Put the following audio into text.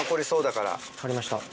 分かりました。